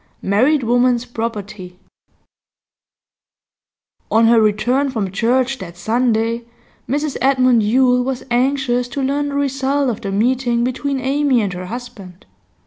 MARRIED WOMAN'S PROPERTY On her return from church that Sunday Mrs Edmund Yule was anxious to learn the result of the meeting between Amy and her husband.